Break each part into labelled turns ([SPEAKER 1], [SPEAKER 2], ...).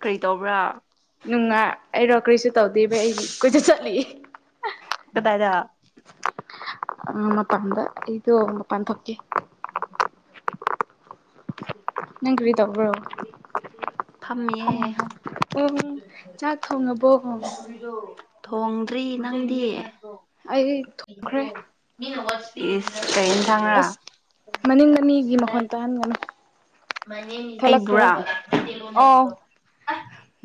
[SPEAKER 1] ꯀꯔꯤ ꯇꯧꯕ꯭ꯔꯥ
[SPEAKER 2] ꯅꯨꯡꯉꯥꯏ ꯑꯩꯔꯣ ꯀꯔꯤꯁꯨ ꯇꯧꯗꯦꯕ ꯑꯩ ꯀꯨꯁꯨ ꯆꯠꯂꯤꯑꯦ
[SPEAKER 1] ꯀꯗꯥꯥꯏꯗ
[SPEAKER 2] ꯃꯄꯥꯟꯗ ꯑꯩꯗꯣ ꯃꯄꯥꯟ ꯊꯣꯛꯀꯦ ꯅꯪ ꯀꯔꯤ ꯇꯧꯕꯔꯣ
[SPEAKER 1] ꯐꯝꯃꯤꯌꯦ
[SPEAKER 2] ꯎ ꯆꯥꯛ ꯊꯣꯡꯉꯕꫭ
[SPEAKER 1] ꯊꯣꯡꯗ꯭ꯔꯤ ꯅꯪꯗꯤ
[SPEAKER 2] ꯑꯩ ꯊꯣꯡꯈ꯭ꯔꯦ
[SPEAKER 1] ꯏꯁ ꯀꯩ ꯏꯟꯁꯥꯡꯂ
[SPEAKER 2] ꯃꯅꯤꯡ ꯃꯅꯤꯒꯤ ꯃꯈꯣꯟ ꯇꯥꯍꯟꯒꯅꯨ
[SPEAKER 1] ꯑꯩꯕꯨꯔ
[SPEAKER 2] ꯊꯣꯛꯂꯛꯈ꯭ꯔꯣ ꯑꯣ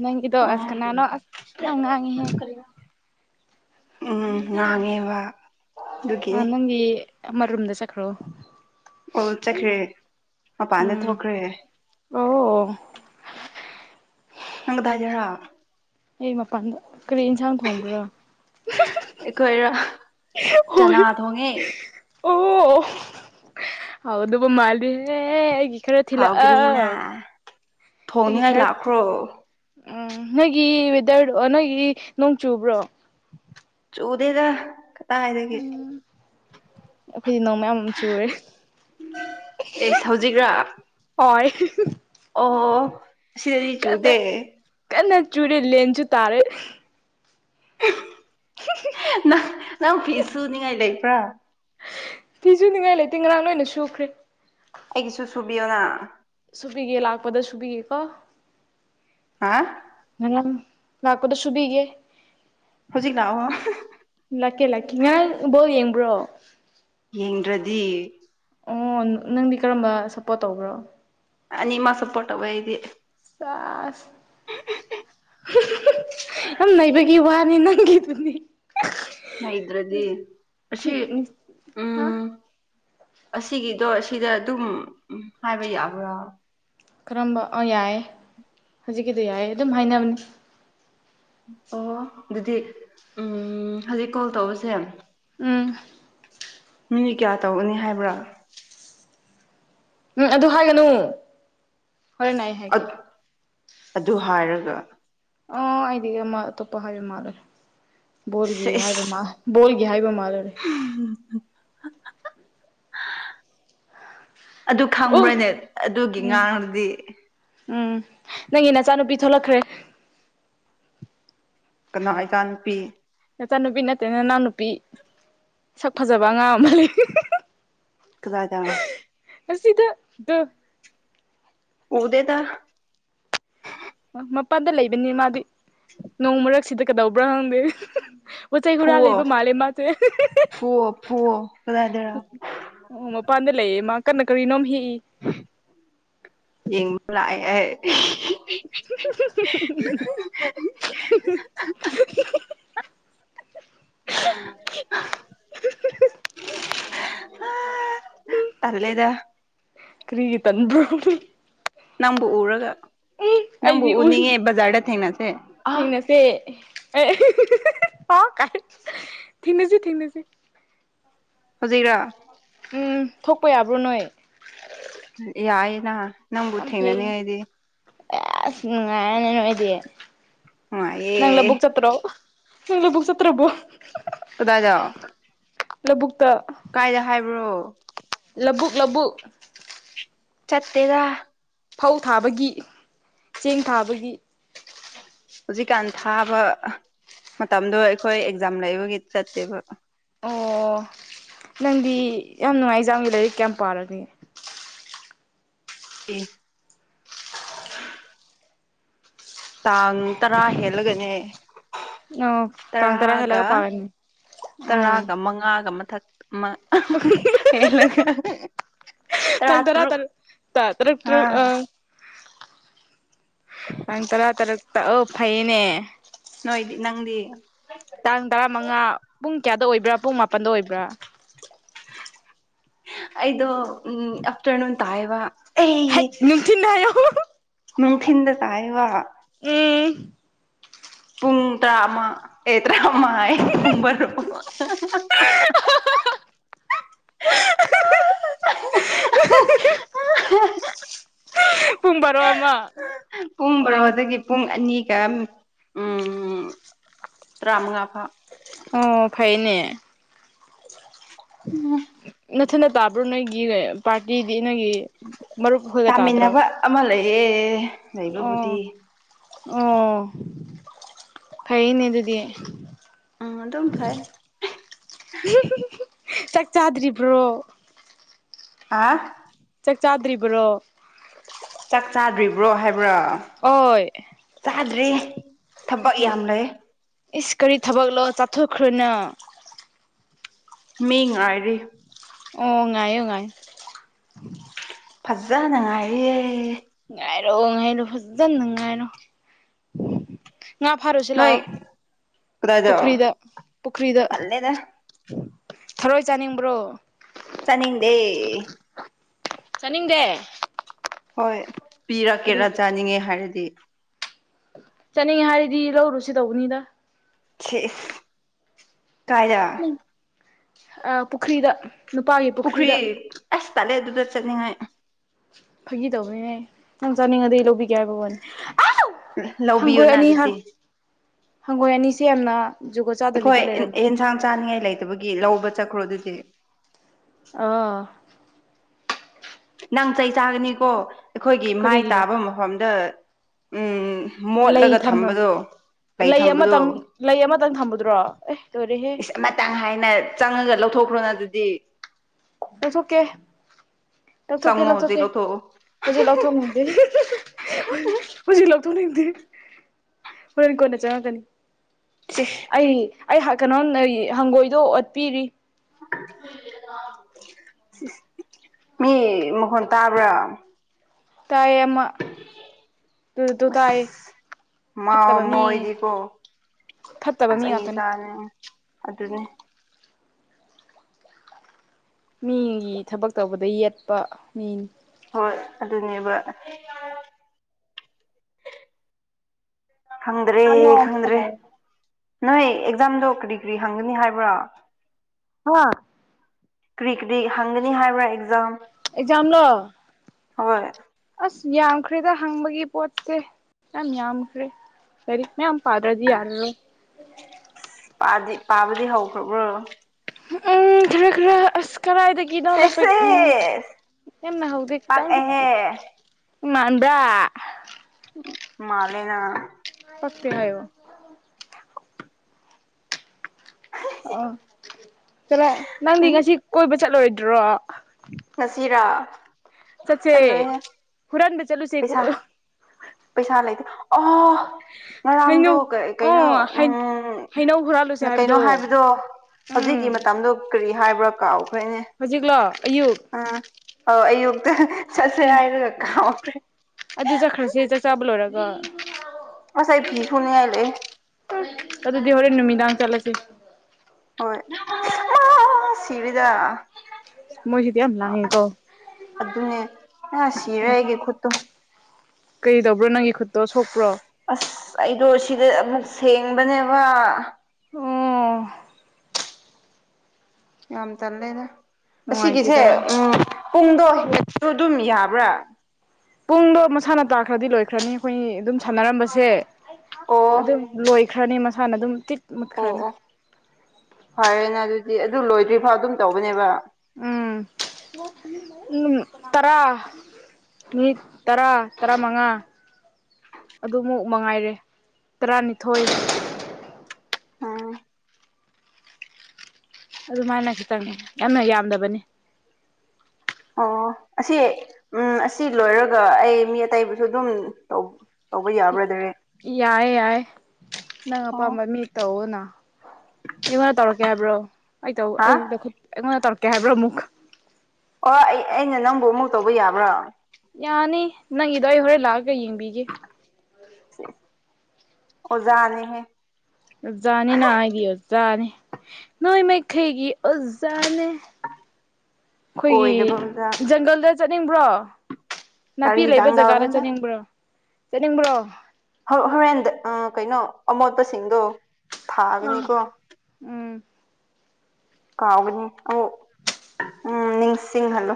[SPEAKER 2] ꯅꯪꯒꯤꯗꯣ ꯑꯁ ꯀꯅꯥꯅꯣ ꯑꯁ ꯌꯥꯝ ꯉꯥꯡꯉꯦꯍꯦ
[SPEAKER 1] ꯎꯝ ꯉꯥꯡꯉꯦꯕ
[SPEAKER 2] ꯑ
[SPEAKER 1] ꯑꯗꯨꯒꯤꯅꯤ
[SPEAKER 2] ꯅꯪꯒꯤ ꯑꯃꯔꯨꯝꯗ ꯆꯠꯈ꯭ꯔꯣ
[SPEAKER 1] ꯑꯣ ꯆꯠꯈ꯭ꯔꯦ ꯃꯄꯥꯟꯗ
[SPEAKER 2] ꯎꯝ
[SPEAKER 1] ꯊꯣꯛꯈ꯭ꯔꯦ
[SPEAKER 2] ꯑꯣ
[SPEAKER 1] ꯅꯪꯗꯥꯗꯔꯥ
[SPEAKER 2] ꯑꯩ ꯃꯄꯥꯟꯗ ꯀꯔꯤ ꯏꯟꯁꯥꯡ ꯊꯣꯡꯕ꯭ꯔꯥ
[SPEAKER 1] ꯑꯩꯈꯣꯏꯔ ꯆꯅꯥ
[SPEAKER 2] ꯍꫭꯏ
[SPEAKER 1] ꯊꯣꯡꯉꯦ
[SPEAKER 2] ꯑꯣ ꯍꯥꯎꯗꯨꯕꯨ ꯃꯥꯜꯂꯦꯍꯦ ꯑꯩꯒꯤ ꯈꯔ
[SPEAKER 1] ꯍꯥꯎꯒꯅꯤꯅ
[SPEAKER 2] ꯊꯤꯟꯂꯛꯑꫭ ꯑꯩꯒꯤ
[SPEAKER 1] ꯊꯣꯡꯅꯤꯉꯥꯏ
[SPEAKER 2] ꯈꯔ
[SPEAKER 1] ꯂꯥꯛꯈ꯭ꯔꯣ
[SPEAKER 2] ꯎꯝ ꯅꯣꯢꯒꯤ ꯋꯦꯗꯔꯗꫭ ꯅꯣꯢꯒꯤ ꯅꯣꯡ ꯆꯨꯕ꯭ꯔꯣ
[SPEAKER 1] ꯆꯨꯗꯦꯗ ꯀꯗꯥꯏꯗꯒꯤ
[SPEAKER 2] ꯑꯩꯈꯣꯏꯗꯤ ꯅꯣꯡꯃ ꯌꯥꯝ ꯆꯨꯔꯦ
[SPEAKER 1] ꯑꯦꯁ
[SPEAKER 2] ꯍꯣꯏ
[SPEAKER 1] ꯑꯣꯍꯣ ꯁꯤꯗꯗꯤ
[SPEAKER 2] ꯀꯟꯅ
[SPEAKER 1] ꯆꯨꯗꯦ
[SPEAKER 2] ꯀꯟꯅ ꯆꯨꯨꯔꯦ ꯂꯦꯟꯁꯨ ꯇꯥꯔꯦ
[SPEAKER 1] ꯎ
[SPEAKER 2] ꯍꯍ
[SPEAKER 1] ꯅꯪ ꯅꯪ ꯐꯤꯁꯨꯨꯅꯤꯡꯉꯥꯏ ꯂꯩꯕ꯭ꯔꯥ
[SPEAKER 2] ꯐꯤꯖꯨꯅꯤꯡꯉꯥꯏ ꯂꯩꯇꯦ ꯉꯔꯥꯡ ꯂꯣꯏꯅ ꯁꯨꯈ꯭ꯔꯦ
[SPEAKER 1] ꯑꯩꯒꯤꯁꯨ ꯁꯨꯕꯤꯌꯣꯅ
[SPEAKER 2] ꯁꯨꯕꯤꯒꯦ ꯂꯥꯛꯄꯗ ꯁꯨꯕꯤꯒꯦꯀꯣ
[SPEAKER 1] ꯍꯥ
[SPEAKER 2] ꯉꯅꯝ ꯂꯥꯛꯄꯗ ꯁꯨꯕꯤꯒꯦ
[SPEAKER 1] ꯍꯧꯖꯤꯛ ꯂꯥꯛꯑꯣ
[SPEAKER 2] ꯂꯥꯛꯀꯦ ꯂꯥꯛꯀꯦ ꯉꯔꯥꯡ ꯕꫭꯜ ꯌꯦꯡꯕ꯭ꯔꯣ
[SPEAKER 1] ꯌꯦꯡꯗ꯭ꯔꯗꯤ
[SPEAKER 2] ꯑꯣ ꯅꯪꯗꯤ ꯀꯔꯝꯕ ꯁꯞꯄꯣꯔꯠ ꯇꯧꯕ꯭ꯔꯣ
[SPEAKER 1] ꯑꯅꯤꯃꯛ ꯁꯄꯣꯔꯠ ꯇꯧꯋꯦ ꯑꯩꯗꯤ
[SPEAKER 2] ꯁꯥꯥꯁ ꯌꯥꯝ ꯅꯩꯕꯒꯤ ꯋꯥꯅꯤ ꯅꯪꯒꯤꯗꯨꯗꯤ
[SPEAKER 1] ꯅꯩꯗ꯭ꯔꯗꯤ
[SPEAKER 2] ꯊꯤ
[SPEAKER 1] ꯑꯁꯤ
[SPEAKER 2] ꯍꯥ
[SPEAKER 1] ꯎꯝ ꯑꯁꯤꯒꯤꯗꯣ ꯑꯁꯤꯗ ꯑꯗꯨꯝ ꯍꯥꯏꯕ ꯌꯥꯕ꯭ꯔꯥ
[SPEAKER 2] ꯀꯔꯝꯕ ꯑꫭ ꯌꯥꯏ ꯍꯧꯖꯤꯛꯀꯤꯗꯨ ꯌꯥꯏꯌꯦ ꯑꯗꯨꯝ ꯍꯥꯏꯅꯕꯅꯤ
[SPEAKER 1] ꯑꯣ ꯑꯗꯨꯗꯤ ꯎꯝ ꯍꯧꯖꯤꯛ ꯀꯣꯜ ꯇꯧꯕꯁꯦ
[SPEAKER 2] ꯎꯝ
[SPEAKER 1] ꯃꯤꯅꯤꯠ ꯀꯌꯥ ꯇꯧꯒꯅꯤ ꯍꯥꯏꯕ꯭ꯔꯥ
[SPEAKER 2] ꯎꯝ ꯑꯗꯨ ꯍꯥꯏꯒꯅꯨ ꯍꯣꯔꯦꯟ ꯑꯩ ꯍꯥꯏꯒꯦ
[SPEAKER 1] ꯑꯗꯨ ꯍꯥꯏꯔꯒ
[SPEAKER 2] ꯑꯣ ꯑꯩꯗꯤ ꯑꯃ ꯑꯇꯣꯞꯄ ꯍꯥꯏꯕ ꯃꯥꯜꯂꯨꯔꯦ ꯕꯣꯜꯒꯤ ꯍꯥꯏꯕ
[SPEAKER 1] ꯁꯦꯁ
[SPEAKER 2] ꯃꯥꯜꯂꯦ ꯕꯣꯜꯒꯤ ꯍꯥꯏꯕ ꯃꯥꯥꯜꯂꯨꯔꯦ
[SPEAKER 1] [unintelligible] ꯑꯗꯨ
[SPEAKER 2] ꯎ
[SPEAKER 1] ꯈꯪꯕ꯭ꯔꯅꯦ ꯑꯗꯨꯒꯤ
[SPEAKER 2] ꯎꯝ
[SPEAKER 1] ꯉꯥꯡꯗꯨꯗꯤ
[SPEAKER 2] ꯎꯝ ꯅꯪꯒꯤ ꯅꯆꯥꯅꯨꯄꯤ ꯊꯣꯛꯂꯛꯈ꯭ꯔꯦ
[SPEAKER 1] ꯀꯅꯥ ꯏꯆꯥ ꯅꯨꯨꯄꯤ
[SPEAKER 2] ꯅꯆꯥꯅꯨꯄꯤ ꯅꯠꯇꯦꯅ ꯅꯅꯥꯎꯅ ꯅꯨꯄꯤ ꯁꯛ ꯐꯖꯕ ꯑꯉꯥꯡ ꯑꯃ ꯂꯩ
[SPEAKER 1] ꯀꯗꯥꯏꯗ
[SPEAKER 2] ꯑꯁꯤꯗ ꯇꯨ
[SPEAKER 1] ꯎꯗꯦꯗ
[SPEAKER 2] ꯃꯄꯥꯟꯗ ꯂꯩꯕꯅꯤ ꯃꯥꯗꯤ ꯅꯣꯡ ꯃꯔꯛꯁꯤꯗ ꯀꯩꯗꯧꯕ꯭ꯔꯥ ꯈꯪꯗꯦ ꯄꯣꯠ ꯆꯩ ꯍꯨꯔꯥꯟ
[SPEAKER 1] ꯐꯨꯑꯣ
[SPEAKER 2] ꯂꯤꯕ ꯃꯥꯜꯂꯦ ꯃꯥꯁꯦ
[SPEAKER 1] ꯐꯨꯋꯣ ꯐꯨꯋꯣ ꯀꯗꯥꯏꯗꯔ
[SPEAKER 2] ꯎꯝ ꯃꯄꯥꯟꯗ ꯂꯩꯌꯦ ꯃꯥ ꯀꯟꯅꯥ ꯀꯔꯤꯅꯣꯝꯃ ꯍꯦꯛꯏ
[SPEAKER 1] ꯌꯦꯡꯕ ꯂꯥꯛꯑꯦ ꯑꯩ
[SPEAKER 2] [unintelligible]
[SPEAKER 1] [unintelligible] [unintelligible] [unintelligible] ꯑꯥ ꯇꯜꯂꯤꯗ
[SPEAKER 2] ꯀ꯭ꯔꯤꯒꯤ ꯇꯟꯕꯔꫭ
[SPEAKER 1] ꯅꯪꯕꯨ ꯎꯔꯒ
[SPEAKER 2] ꯎꯝ
[SPEAKER 1] ꯅꯪꯕꯨ
[SPEAKER 2] ꯑꯩꯗꯤ ꯎ
[SPEAKER 1] ꯎꯅꯤꯡꯉꯦ ꯕꯖꯥꯔꯗ ꯊꯦꯡꯅꯁꯦ ꯑꯥ
[SPEAKER 2] ꯄꯦ ꯑꯩ ꯍꯥꯎ ꯀꯥꯏ ꯊꯦꯡꯅꯁꯦ ꯊꯦꯡꯅꯁꯦ
[SPEAKER 1] ꯍꯧꯖꯤꯛꯔ
[SPEAKER 2] ꯎꯝ ꯊꯣꯛꯄ ꯌꯥꯕ꯭ꯔꯣ ꯅꯣꯏ
[SPEAKER 1] ꯌꯥꯏꯅꯥ
[SPEAKER 2] ꯌꯥꯝ ꯐꯩꯅꯦ ꯆꯦꯁ ꯅꯨꯡꯉꯥꯏꯔꯦꯅꯦ ꯅꯣꯏꯗꯤ
[SPEAKER 1] ꯅꯨꯡꯉꯥꯏꯌꯦ
[SPEAKER 2] ꯅꯪ ꯄꯨꯕꯨꯛ ꯆꯠꯄꯗꫭ ꯅꯪ ꯂꯕꯨꯛ ꯆꯠꯇꯔꯕꫭ
[SPEAKER 1] ꯀꯗꯥꯏꯗ
[SPEAKER 2] ꯂꯕꯨꯛꯇ
[SPEAKER 1] ꯀꯥꯏꯗ ꯍꯥꯏꯕ꯭ꯔꯣ
[SPEAKER 2] ꯂꯧꯕꯨꯛ ꯂꯧꯕꯨꯛ
[SPEAKER 1] ꯆꯠꯇꯦꯗ
[SPEAKER 2] ꯐꯧ ꯊꯥꯕꯒꯤ ꯆꯦꯡ ꯊꯥꯕꯒꯤ
[SPEAKER 1] ꯍꯧꯖꯤꯛꯀꯥꯟ ꯊꯥꯕ ꯃꯇꯝꯗꯣ ꯑꯩꯈꯣꯏ ꯑꯦꯛꯖꯥꯝ ꯂꯩꯕꯒꯤ ꯆꯠꯇꯦꯕ
[SPEAKER 2] ꯑꯣ ꯅꯪꯗꯤ ꯌꯥꯝ ꯅꯨꯡꯉꯥꯏ ꯑꯦꯛꯖꯝꯒꯤ ꯂꯥꯏꯔꯤꯛ ꯀꯌꯥꯝ ꯄꯥꯔꯒꯦ
[SPEAKER 1] ꯑꯦ ꯇꯥꯡ ꯇꯔꯥ ꯍꯦꯜꯂꯒꯅꯦ
[SPEAKER 2] ꯑꯣ ꯇꯥꯡ ꯇꯔꯥ
[SPEAKER 1] ꯇꯔꯥꯒ
[SPEAKER 2] ꯍꯦꯜꯂꯒ ꯄꯥꯔꯅꯤ ꯎꯝ
[SPEAKER 1] ꯇꯔꯥꯒ ꯃꯉꯥꯒ ꯃꯊꯛ ꯑꯃ ꯍꯦꯛꯂꯛꯀꯦ
[SPEAKER 2] ꯇꯥꯡ ꯇꯔꯥ ꯇꯔꯨꯛ ꯇ ꯇꯔꯨꯛ ꯇꯔꯨꯛ
[SPEAKER 1] ꯑꯥ
[SPEAKER 2] ꯑ ꯇꯥꯡ ꯇꯔꯥ ꯇꯔꯨꯛꯇ ꯑꫭ ꯐꯩꯅꯦ
[SPEAKER 1] ꯅꯣꯏꯗꯤ ꯅꯪꯗꯤ
[SPEAKER 2] ꯇꯥꯡ ꯇꯔꯥ ꯃꯪꯉꯥ ꯄꯨꯡ ꯀꯌꯥꯗ ꯑꯣꯏꯕ꯭ꯔꯥ ꯄꯨꯡ ꯃꯥꯄꯟꯗ ꯑꯣꯏꯕ꯭ꯔꯥ
[SPEAKER 1] ꯑꯩꯗꫭ ꯎꯝ ꯑꯥꯞꯇꯔꯅꯨꯟ ꯇꯥꯏꯋꯦꯕ ꯑꯩ
[SPEAKER 2] ꯍꯠ ꯅꯨꯡꯊꯤꯟ ꯍꯥꯏꯌꯣ
[SPEAKER 1] ꯅꯨꯡꯊꯤꯟꯗ ꯇꯥꯏꯋꯦꯕ
[SPEAKER 2] ꯎꯝ
[SPEAKER 1] ꯄꯨꯡ ꯇꯔꯥ ꯑꯃ ꯑꯦ ꯇꯔꯥꯡꯉ ꯌꯩ ꯑꫭ ꯄꯨꯡ ꯕꯔꯣ
[SPEAKER 2] [unintelligible]
[SPEAKER 1] [unintelligible]
[SPEAKER 2] [unintelligible] ꯄꯨꯡ ꯕꯔꯣ ꯑꯃ
[SPEAKER 1] ꯄꯨꯡ
[SPEAKER 2] ꯑꯣ
[SPEAKER 1] ꯕꯥꯔꯣꯗꯒꯤ ꯄꯨꯡ ꯑꯅꯤꯒ ꯎꯝ ꯇꯔꯥꯃꯉꯥ ꯐꯥꯎ
[SPEAKER 2] ꯑꯣ ꯐꯩꯅꯦ
[SPEAKER 1] ꯎꯝ
[SPEAKER 2] ꯅꯊꯟꯅ ꯄꯕ꯭ꯔꯣ ꯅꯣꯏꯒꯤ ꯄꯥꯔꯇꯤꯗꯤ ꯅꯣꯏꯒꯤ ꯃꯔꯨꯞ ꯈꯣꯏꯒ ꯇꯥꯗ꯭ꯔꯣ
[SPEAKER 1] ꯄꯥꯃꯤꯟꯅꯕ ꯑꯃ ꯂꯩꯌꯦ ꯂꯩꯕꯕꯨꯗꯤ
[SPEAKER 2] ꯑꯣ ꯑꯣ ꯐꯩꯌꯦꯅꯦ ꯑꯗꯨꯗꯤ
[SPEAKER 1] ꯑꯪ ꯑꯗꯨꯝ ꯐꯩꯌꯦ
[SPEAKER 2] ꯆꯥꯛ ꯆꯥꯗ꯭ꯔꯤꯕ꯭ꯔꯣ
[SPEAKER 1] ꯑꯥ
[SPEAKER 2] ꯆꯥꯛ ꯆꯥꯗ꯭ꯔꯤꯕ꯭ꯔꯣ
[SPEAKER 1] ꯆꯥꯛ ꯆꯥꯗ꯭ꯔꯤꯕ꯭ꯔꯣ ꯍꯥꯏꯕ꯭ꯔꯥ
[SPEAKER 2] ꯑꯣꯏ
[SPEAKER 1] ꯆꯥꯗ꯭ꯔꯤ ꯊꯕꯛ ꯌꯥꯝ ꯂꯩ
[SPEAKER 2] ꯏꯁ ꯀꯔꯤ ꯊꯕꯛ ꯂꯣ ꯆꯥꯊꯣꯛꯈ꯭ꯔꯣꯅ
[SPEAKER 1] ꯃꯤꯡ ꯉꯥꯏꯔꯤ
[SPEAKER 2] ꯑꯣ ꯉꯥꯏꯌꯣ ꯉꯥꯏꯌꯣ
[SPEAKER 1] ꯐꯥꯖꯥꯅ ꯉꯥꯏꯔꯤꯌꯦ
[SPEAKER 2] ꯉꯥꯏꯔꯣ ꯉꯥꯏꯔꯣ ꯐꯖꯥꯅ ꯉꯥꯏꯔꯣ ꯉꯥ ꯐꯥꯔꯨꯁꯤ
[SPEAKER 1] ꯅꯣꯏ
[SPEAKER 2] ꯂꯥꯛꯑꯣ
[SPEAKER 1] ꯀꯗꯥꯏꯗ
[SPEAKER 2] ꯄꯨꯈ꯭ꯔꯤꯗ ꯄꯨꯈ꯭ꯔꯤꯗ
[SPEAKER 1] ꯇꯜꯂꯦꯗ
[SPEAKER 2] ꯊꯔꯣꯏ ꯆꯥꯅꯤꯡꯕ꯭ꯔꯣ
[SPEAKER 1] ꯆꯅꯤꯡꯗꯦ
[SPEAKER 2] ꯆꯥꯅꯤꯡꯗꯦ
[SPEAKER 1] ꯍꯣꯏ
[SPEAKER 2] ꯀꯔꯤ
[SPEAKER 1] ꯄꯤꯔꯛꯀꯦꯔꯥ ꯆꯥꯅꯤꯡꯉꯦ ꯍꯥꯏꯔꯗꯤ
[SPEAKER 2] ꯆꯥꯅꯤꯡꯉꯦ ꯍꯥꯏꯔꯗꯤ ꯂꯧꯔꯨꯁꯤ ꯇꯧꯕꯅꯤꯗ
[SPEAKER 1] ꯈꯦ ꯀꯥꯏꯗ
[SPEAKER 2] ꯑꯥ ꯄꯨꯈ꯭ꯔꯤꯗ ꯅꯨꯄꯥꯒꯤ
[SPEAKER 1] ꯄꯨꯈ꯭ꯔꯤ
[SPEAKER 2] ꯄꯨꯈ꯭ꯔꯤꯗ
[SPEAKER 1] ꯑꯁ ꯇꯠꯂꯦ ꯑꯗꯨꯗ ꯆꯠꯅꯤꯡꯉꯥꯏ
[SPEAKER 2] ꯐꯥꯒꯤꯇꯧꯕꯅꯦ ꯅꯪ ꯆꯥꯅꯤꯡꯉꯗꯤ ꯑꯩ ꯂꯧꯕꯤ [unintelligible] ꯍꯪꯒꯣꯏ
[SPEAKER 1] ꯂꯧꯕꯤꯌꯣꯅ
[SPEAKER 2] ꯑꯅꯤ
[SPEAKER 1] ꯑꯗꯨꯗꯤ
[SPEAKER 2] ꯍꯪꯒꯣꯏ ꯑꯅꯤꯁꯦ ꯌꯥꯝꯅ ꯖꯨꯒꯣꯠ
[SPEAKER 1] ꯑꯩꯈꯣꯏ
[SPEAKER 2] ꯆꯥꯗꯕꯤꯗ ꯂꯩꯔꯝꯃꯤ
[SPEAKER 1] ꯑꯦꯟꯁꯥꯡ ꯆꯥꯅꯤꯡꯉꯥꯏ ꯂꯩꯇꯕꯒꯤ ꯂꯧꯕ ꯆꯠꯈ꯭ꯔꯣ ꯑꯗꯨꯗꯤ
[SPEAKER 2] ꯑꯣ
[SPEAKER 1] ꯅꯪ ꯆꯩ ꯆꯥꯒꯅꯤꯀꯣ ꯑꯩꯈꯣꯏꯒꯤ ꯃꯥꯏ
[SPEAKER 2] ꯀꯔꯤꯒꯤꯔꯣ
[SPEAKER 1] ꯇꯥꯕ ꯃꯐꯝꯗ ꯎꯝ
[SPEAKER 2] ꯂꯩ
[SPEAKER 1] ꯃꯣꯠꯂꯒ
[SPEAKER 2] ꯊꯝꯕ꯭ꯔꯣ
[SPEAKER 1] ꯊꯝꯕꯗꯣ
[SPEAKER 2] ꯂꯩ ꯑꯃꯇꯪ ꯂꯩ ꯑꯃꯇꯪ ꯊꯝꯝꯕꯗ꯭ꯔꯣ ꯑꯦ ꯀꯣꯏꯔꯦꯍꯦ
[SPEAKER 1] ꯈꯤꯇꯥꯡ ꯍꯥꯏꯅ ꯆꯪꯉꯒ ꯂꯧꯊꯣꯛꯈ꯭ꯔꯣꯅ ꯑꯗꯨꯗꯤ
[SPEAKER 2] ꯂꯧꯊꯣꯛꯀꯦ ꯂꯧꯊꯣꯛꯀꯦ
[SPEAKER 1] ꯆꯪꯉꯣ ꯍꯧꯖꯤꯛ
[SPEAKER 2] ꯂꯧꯊꯣꯛꯀꯦ
[SPEAKER 1] ꯂꯧꯊꯣꯛꯑꯣ
[SPEAKER 2] ꯍꯧꯖꯤ ꯂ ꯊꯣꯡꯅꯤ ꯍ ꯍꯧꯖꯤ ꯂ ꯊꯅꯤ ꯍ ꯍꯅꯅꯤ ꯀꯣꯟꯅ ꯆꯥꯉꯒꯅꯤ
[SPEAKER 1] ꯁꯤ
[SPEAKER 2] ꯑꯩ ꯑꯩ ꯀꯩꯅꯣ ꯍꯪꯒꯣꯏꯗꯣ ꯑꯣꯠꯄꯤꯔꯤ
[SPEAKER 1] ꯃꯤ ꯃꯈꯣꯟ ꯇꯥꯕ꯭ꯔꯥ
[SPEAKER 2] ꯇꯥꯌꯦ ꯑꯃ ꯇ ꯇꯨ
[SPEAKER 1] ꯑꯁ
[SPEAKER 2] ꯇꯥꯌꯦꯦ
[SPEAKER 1] ꯃꯥ ꯃꯣꯏꯗꯤꯀꯣ
[SPEAKER 2] ꯐꯠꯇꯕ ꯃꯤ ꯉꯥꯛꯇꯅꯤ
[SPEAKER 1] ꯆꯍꯤꯆꯥꯥꯅꯦ ꯑꯗꯨꯅꯤ
[SPEAKER 2] ꯃꯤꯒꯤ ꯊꯕꯛ ꯇꯧꯕꯗ ꯌꯦꯠꯄ ꯃꯤ
[SPEAKER 1] ꯍꯣꯏ ꯑꯗꯨꯅꯦꯕ ꯈꯪꯗ꯭ꯔꯦ
[SPEAKER 2] ꯍꯥ
[SPEAKER 1] ꯈꯪꯗ꯭ꯔꯦ ꯅꯣꯏ ꯑꯦꯛꯖꯥꯝꯗꯣ ꯀꯔꯤ ꯀꯔꯤ ꯍꯪꯒꯅꯤ ꯍꯥꯏꯕ꯭ꯔꯥ
[SPEAKER 2] ꯍꯥ
[SPEAKER 1] ꯀ꯭ꯔꯤ ꯀꯔꯤ ꯍꯪꯒꯅꯤ ꯍꯥꯏꯕ꯭ꯔꯥ ꯑꯦꯛꯖꯥꯝ
[SPEAKER 2] ꯑꯦꯛꯖꯝꯂꯣ
[SPEAKER 1] ꯍꯣꯏ
[SPEAKER 2] ꯑꯁ ꯌꯥꯝꯈ꯭ꯔꯦꯗ ꯍꯪꯕꯒꯤ ꯄꯣꯠꯁꯦ ꯌꯥꯝ ꯌꯥꯝꯈ꯭ꯔꯦ ꯁꯔꯤꯛꯅꯦ ꯌꯥꯝ ꯄꯥꯗ꯭ꯔꯗꯤ ꯌꯥꯔꯔꯣ
[SPEAKER 1] ꯗꯤ ꯄꯥꯕꯗꯤ ꯍꯧꯈ꯭ꯔꯕ꯭ꯔꯣ
[SPEAKER 2] ꯎꯝ ꯈꯔ ꯈꯔ ꯑꯁ ꯀꯔꯥꯏꯗꯒꯤ ꯏꯒ
[SPEAKER 1] ꯁꯦꯁꯦ
[SPEAKER 2] ꯄꯃ ꯍꯕ ꯊꯦꯡꯀꯤ ꯊ
[SPEAKER 1] ꯄꯥꯛꯑꯦꯍꯦ
[SPEAKER 2] ꯃꯗ
[SPEAKER 1] ꯃꯥꯂꯦꯅ
[SPEAKER 2] ꯄꯁꯄꯤ ꯍꯥꯏ ꯑꯣ ꯆꯂ ꯅꯪꯗꯤ
[SPEAKER 1] ꯎꯝ
[SPEAKER 2] ꯉꯁꯤ ꯀꯣꯏꯕ ꯆꯠꯂꯣꯏꯗ꯭ꯔꯣ
[SPEAKER 1] ꯉꯁꯤꯔꯥ
[SPEAKER 2] ꯆꯠꯁꯦ
[SPEAKER 1] ꯆꯠꯂꯣꯏꯍꯦ
[SPEAKER 2] ꯍꯨꯔꯟꯗ ꯆꯂꯨꯁꯤꯦ
[SPEAKER 1] ꯄꯩꯁꯥ ꯄꯩꯁꯥ ꯑꯂꯇ ꯑ ꯉꯔꯥꯡꯗꯣ
[SPEAKER 2] ꯍꯩꯅꯧ
[SPEAKER 1] ꯀꯩꯅꯣ
[SPEAKER 2] ꯑꯣ ꯍꯩꯅꯧ ꯍꯨꯔꯥꯜꯂꯨꯁꯦ
[SPEAKER 1] ꯎꯝ ꯀꯩꯅꯣ ꯍꯥꯏꯕꯗꯣ ꯍꯧꯖꯤꯛꯀꯤ
[SPEAKER 2] ꯎꯝ
[SPEAKER 1] ꯃꯇꯝꯗꯣ ꯀꯔꯤ ꯍꯥꯏꯕ꯭ꯔꯥ ꯀꯥꯎꯈ꯭ꯔꯦꯅꯦ
[SPEAKER 2] ꯍꯧꯖꯤꯛꯂꯣ ꯑꯌꯨꯛ
[SPEAKER 1] ꯎꯝ ꯑꯧ ꯑꯌꯨꯛꯇ ꯆꯠꯁꯦ ꯍꯥꯏꯔꯒ ꯀꯥ꯭ꯔꯦ
[SPEAKER 2] ꯑꯗꯨ ꯆꯠꯈ꯭ꯔꯁꯦ ꯆꯥꯛ ꯆꯥꯕ ꯂꯣꯏꯔꯒ ꯑ
[SPEAKER 1] ꯑꯁ ꯑꯩ ꯐꯤ ꯁꯨꯅꯤꯡꯉꯥꯏ ꯂꯩ
[SPEAKER 2] ꯑꯗꯨꯗꯤ ꯍꯣꯔꯦꯟ ꯅꯨꯃꯤꯗꯥ ꯆꯂꯁꯤ
[SPEAKER 1] ꯍꯣꯏ ꯁꯤꯔꯤꯗ
[SPEAKER 2] ꯃꯣꯏꯁꯨꯗꯤ ꯌꯥꯝ ꯂꯉꯦ ꯀꯣ
[SPEAKER 1] ꯑꯗꯨꯅꯦ ꯅ ꯁꯤꯔ ꯑꯩꯒꯦ ꯈꯨꯠꯇꯣ
[SPEAKER 2] ꯀꯩ ꯇꯧꯕ꯭ꯔꯣ ꯅꯪꯒꯤ ꯈꯨꯠꯇꯣ ꯁꯣꯛꯄ꯭ꯔꯣ
[SPEAKER 1] ꯑꯁ ꯑꯩꯗꯣ ꯁꯤꯗ ꯑꯃꯨꯛ ꯁꯦꯡꯕꯅꯦꯕ
[SPEAKER 2] ꯑꯣ
[SPEAKER 1] ꯌꯥꯝ ꯇꯜꯂꯦꯗ ꯑꯁꯤꯒꯤꯁꯦ
[SPEAKER 2] ꯅꯨꯡꯉꯥꯏꯇꯦꯗ
[SPEAKER 1] ꯎꯝ ꯄꯨꯡꯗꯣꯃꯤꯠꯁꯨ ꯑꯗꯨꯝ ꯌꯥꯕ꯭ꯔꯥ
[SPEAKER 2] ꯄꯨꯡꯗꯣ ꯃꯁꯥꯅ ꯇꯥꯈ꯭ꯔꯗꯤ ꯂꯣꯏꯈ꯭ꯔꯅꯤ ꯑꯩꯈꯣꯏꯅꯤ ꯑꯗꯨꯝ ꯁꯥꯟꯅꯔꯝꯕꯁꯦ
[SPEAKER 1] ꯑꯣ
[SPEAKER 2] ꯑꯗꯨꯝ ꯂꯣꯏꯈ꯭ꯔꯅꯤ ꯃꯁꯥꯅ ꯑꯗꯨꯝ ꯇꯤꯛ
[SPEAKER 1] ꯑꯣ ꯑꯣ ꯐꯔꯦꯅꯦ ꯑꯗꯨꯗꯤ ꯑꯗꯨ ꯂꯣꯏꯗ꯭ꯔꯤꯐꯥꯎ ꯑꯗꯨꯝ ꯇꯧꯕꯅꯦꯕ
[SPEAKER 2] ꯎꯝ ꯎꯝ ꯇꯔꯥ ꯃꯤ ꯇꯔꯥ ꯇꯔꯥꯃꯉꯥ ꯑꯗꯨꯃꯨꯛ ꯃꯉꯥꯏꯔꯦ ꯇꯔꯥꯅꯤꯊꯣꯏ
[SPEAKER 1] ꯑꯥ
[SPEAKER 2] ꯑꯗꯨꯃꯥꯏꯅ ꯈꯤꯇꯪꯅꯤ ꯌꯥꯝꯅ ꯌꯥꯝꯗꯕꯅꯤ
[SPEAKER 1] ꯑꯣ ꯑꯁꯤ ꯎꯝ ꯑꯁꯤ ꯂꯣꯏꯔꯒ ꯑꯩ ꯃꯤ ꯑꯇꯩꯕꯨꯁꯨ ꯑꯗꯨꯝ ꯇꯧꯕ ꯇꯧꯕ ꯌꯥꯕ꯭ꯔꯥꯗꯔ
[SPEAKER 2] ꯌꯥꯏ ꯌꯥꯏ ꯅꯪ ꯑꯄꯥꯝꯕ
[SPEAKER 1] ꯑꯣ
[SPEAKER 2] ꯃꯤ ꯇꯑꯣꯅ ꯑꯩꯉꯣꯟꯗ ꯇꯧꯔꯛꯀꯦ ꯍꯥꯏꯕ꯭ꯔꯣ ꯑꯩ ꯇꯧ
[SPEAKER 1] ꯍꯥ
[SPEAKER 2] ꯑꯩ ꯑꯩꯉꯣꯟꯅ ꯇꯧꯔꯀꯦ ꯍꯥꯏꯕ꯭ꯔꯣ ꯑꯃꯨꯛ
[SPEAKER 1] ꯑꯣ ꯑꯩ ꯑꯩꯅ ꯅꯪꯕꯨ ꯑꯃꯨꯛ ꯇꯧꯕ ꯌꯥꯕ꯭ꯔꯣ
[SPEAKER 2] ꯌꯥꯅꯤ ꯅꯪ ꯏꯗꯋꯥꯏ ꯍꯣꯔꯦꯟ ꯂꯥꯛꯑꯒ ꯌꯦꯡꯕꯤꯒꯦ
[SPEAKER 1] ꯑꯣꯖꯥꯅꯤ ꯍꯦ
[SPEAKER 2] ꯅꯤ ꯅ ꯍꯥꯏꯗꯤ ꯆꯥꯅꯤ ꯅꯣꯏ ꯃꯈꯩꯒꯤ ꯑꯣꯖꯥꯅꯦ ꯑꯩꯈꯣꯏꯒꯤ
[SPEAKER 1] ꯑꯣꯏꯗꯕ ꯑꯣꯖꯥ
[SPEAKER 2] ꯖꯪꯒꯜꯗ ꯆꯠꯅꯤꯡꯕ꯭ꯔꯣ ꯅꯥꯄꯤ
[SPEAKER 1] ꯀꯔꯤ
[SPEAKER 2] ꯂꯩꯕ ꯖꯒꯥꯗ
[SPEAKER 1] ꯗꯥꯡꯒꯜꯅꯣꯗ
[SPEAKER 2] ꯆꯠꯅꯤꯡꯕ꯭ꯔꯣ ꯆꯠꯅꯤꯡꯕ꯭ꯔꯣ
[SPEAKER 1] ꯍꯣꯔꯦꯟꯗ ꯀꯩꯅꯣ ꯑꯃꯣꯠꯄꯁꯤꯡꯗꯣ
[SPEAKER 2] ꯑꯥ
[SPEAKER 1] ꯊꯥꯒꯅꯤꯀꯣ
[SPEAKER 2] ꯎꯝ
[SPEAKER 1] ꯀꯥꯎꯒꯅꯤ ꯑꯣ ꯎꯝ ꯅꯤꯡꯁꯤꯡꯍꯜꯂꯣ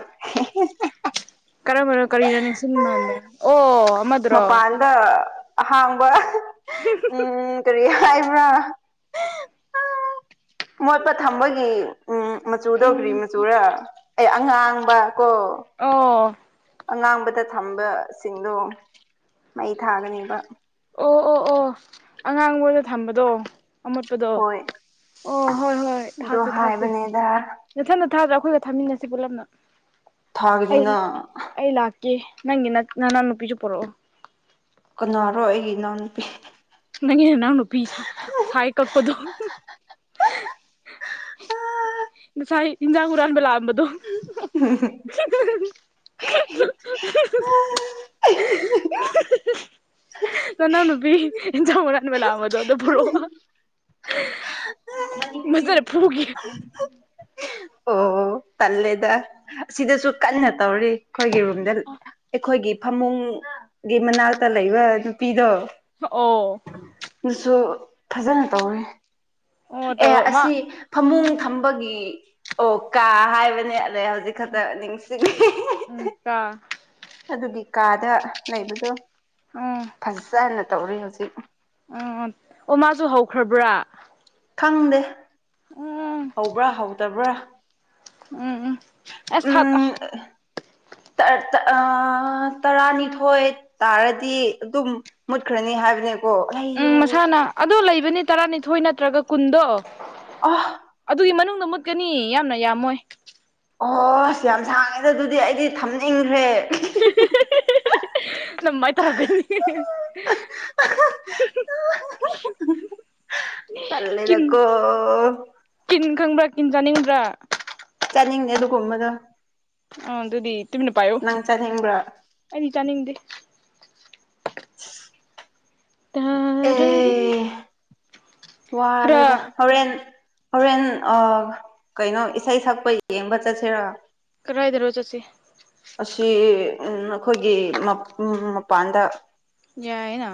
[SPEAKER 2] ꯀꯔꯝꯕꯅꯣ ꯀꯔꯤꯅꯣ ꯅꯤꯡꯁꯤꯡꯟꯕ ꯃꯥꯟꯕ ꯑꯣ ꯑꯃꯗꯨꯔꯣ
[SPEAKER 1] ꯃꯄꯥꯟꯗ ꯑꯍꯥꯡꯕ ꯎꯝ ꯀꯔꯤ ꯍꯥꯏ ꯃꯣꯏꯠꯄ ꯊꯝꯕꯒꯤ ꯎꯝ ꯃꯆꯨꯗꯧꯈ꯭ꯔꯤ
[SPEAKER 2] ꯎꯝ
[SPEAKER 1] ꯃꯆꯨꯔ ꯑꯦ ꯑꯉꯥꯡꯕ ꯀꯣ
[SPEAKER 2] ꯑꯣ
[SPEAKER 1] ꯑꯉꯥꯡꯕꯗ ꯊꯝꯕꯁꯤꯡꯗꯣ ꯃꯩ ꯊꯥꯒꯅꯦꯕ
[SPEAKER 2] ꯑꯣ ꯑꯣ ꯑꯣ ꯑꯉꯥꯡ ꯃꯗ ꯊꯝꯕꯗꯣ ꯑꯃꯣꯠꯄꯗꯣ
[SPEAKER 1] ꯍꯣꯏ
[SPEAKER 2] ꯑꯣ ꯍꯣꯏ ꯍꯣꯏ
[SPEAKER 1] ꯑꯗꯣ
[SPEAKER 2] ꯊꯥꯥꯁꯦ ꯊꯥꯥꯁꯦ
[SPEAKER 1] ꯍꯥꯏꯕꯅꯦꯗ
[SPEAKER 2] ꯅꯠꯊꯠ ꯅꯠꯥꯗꯔ꯭ꯔ ꯑꯩꯈꯒ ꯊꯝꯃꯤꯟꯅꯁꯤ ꯄꯨꯂꯞꯅ
[SPEAKER 1] ꯊꯒꯅꯤꯅ
[SPEAKER 2] ꯑꯩ ꯑꯩ ꯂꯥꯛꯀꯦ ꯅꯪꯒꯤ ꯅꯅꯥꯎ ꯅꯨꯄꯤꯁꯨ ꯄꯨꯔꯛꯑꯣ
[SPEAKER 1] ꯀꯅꯥꯔꯣ ꯑꯩꯒꯤ ꯏꯅꯥꯎꯅꯨꯄꯤ
[SPEAKER 2] ꯅꯪ ꯅ ꯅꯎ ꯅꯨꯄꯤ ꯁꯥꯏ ꯀꯛꯄꯗꯣ ꯥꯏ ꯏꯟꯖꯒꯔꯥꯟꯕꯕꯂ ꯑꯝꯕꯗꯨ
[SPEAKER 1] ꯍ
[SPEAKER 2] [unintelligible] ꯅꯅꯥꯎ ꯅꯨꯄꯤ ꯏꯟꯖꯥꯎ ꯃꯥꯟꯕ ꯃꯦꯂꯕꯗꯨ ꯑ ꯑꯗꯨ ꯄꯨꯔꯛꯑꯣ ꯃꯖꯅ ꯐꯨꯈꯤ
[SPEAKER 1] ꯎ ꯑꯣ ꯇꯜꯂꯦꯗ ꯑꯁꯤꯗꯁꯨ ꯀꯟꯅ ꯇꯧꯔꯤ ꯑꯩꯈꯣꯏꯒꯤ ꯔꯨꯝꯗ ꯑꯩꯈꯣꯏꯒꯤ ꯐꯃꯨꯡꯒꯤ ꯃꯅꯥꯛꯇ ꯂꯩꯕ ꯅꯨꯄꯤꯗꯣ
[SPEAKER 2] ꯑꯣ
[SPEAKER 1] ꯑꯗꯨꯁꯨ ꯐꯖꯅ ꯇꯧꯋꯦ
[SPEAKER 2] ꯑꯣ
[SPEAKER 1] ꯑꯦ
[SPEAKER 2] ꯇꯧꯔ ꯃꯥ
[SPEAKER 1] ꯑꯁꯤ ꯐꯃꯨꯡ ꯊꯝꯕꯒꯤ ꯑꯣ ꯀꯥ ꯍꯥꯏꯕꯅꯦ ꯑ ꯍꯧꯖꯤꯛ ꯍꯧꯖꯤꯛ ꯈꯛꯇ ꯅꯤꯡꯁꯤꯡꯉꯤ
[SPEAKER 2] ꯇ
[SPEAKER 1] ꯑꯗꯨꯒꯤ ꯀꯥꯗ ꯂꯩꯕꯗꯣ
[SPEAKER 2] ꯑꯣ
[SPEAKER 1] ꯐꯖꯅ ꯇꯧꯔꯤ ꯍꯧꯖꯤꯛ
[SPEAKER 2] ꯎꯝ ꯑꯣ ꯃꯥꯁꯨ ꯍꯧꯈ꯭ꯔꯕ꯭ꯔꯥ
[SPEAKER 1] ꯈꯪꯗꯦ
[SPEAKER 2] ꯎꯝ
[SPEAKER 1] ꯍꯧꯕ꯭ꯔꯥ ꯍꯧꯗꯕ꯭ꯔꯥ
[SPEAKER 2] ꯎꯝ ꯎꯝ ꯑꯐꯛ
[SPEAKER 1] ꯎꯝ ꯇꯔꯥꯅꯤꯊꯣꯏ ꯇꯥꯔꯗꯤ ꯑꯗꯨꯝ ꯃꯨꯠꯈ꯭ꯔꯅꯤ ꯍꯥꯏꯕꯅꯤ
[SPEAKER 2] ꯎꯝ ꯃꯁꯥꯅ ꯑꯗ ꯂꯩꯕꯅꯤ ꯇꯔꯥꯅꯤꯊꯣꯏ ꯅꯠꯇ꯭ꯔꯒ ꯀꯨꯟꯗꯣ
[SPEAKER 1] ꯑꯍ
[SPEAKER 2] ꯑꯗꯨꯒꯤ ꯃꯅꯨꯡꯗ ꯃꯨꯠꯀꯅꯤ ꯌꯥꯝꯅ ꯌꯥꯝꯃꯣꯏ
[SPEAKER 1] ꯑꯣꯁ ꯌꯥꯝ ꯁꯥꯡꯉꯦꯗ ꯑꯗꯨꯗꯤ ꯑꯩꯗꯤ ꯊꯝꯅꯤꯡꯈ꯭ꯔꯦ
[SPEAKER 2] ꯅꯝꯃꯥꯏ ꯇꯧꯔꯒꯅꯤ ꯀꯤꯟ
[SPEAKER 1] ꯇꯂꯦꯗꯀꯣ
[SPEAKER 2] ꯀꯤꯟ ꯈꯪꯕ꯭ꯔꯥ ꯀꯤꯟ ꯆꯥꯅꯤꯡꯕ꯭ꯔꯥ
[SPEAKER 1] ꯆꯠꯅꯤꯡꯉꯦ ꯑꯗꯨꯀꯨꯝꯕꯗꯣ
[SPEAKER 2] ꯑꯥ ꯑꯗꯨꯗꯤ ꯇꯨꯃꯤꯟꯅ ꯄꯥꯏꯌꯣ
[SPEAKER 1] ꯆꯠꯅꯤꯡꯕ꯭ꯔꯥ
[SPEAKER 2] ꯑꯩꯗꯤ ꯆꯥꯅꯤꯡꯗꯦ
[SPEAKER 1] ꯑꯦ
[SPEAKER 2] ꯈꯔ
[SPEAKER 1] ꯋꯥꯔꯦꯗ ꯍꯣꯔꯦꯟ ꯍꯣꯔꯦꯟ ꯀꯩꯅꯣ ꯏꯁꯩ ꯁꯛꯄ ꯌꯦꯡꯕ ꯆꯠꯁꯤꯔ
[SPEAKER 2] ꯀꯗꯥꯏꯗꯅꯣ ꯖꯠꯁꯤ
[SPEAKER 1] ꯑꯁꯤ ꯑꯩꯈꯣꯏꯒꯤ ꯃꯄꯥꯟꯗ
[SPEAKER 2] ꯌꯥꯏꯅ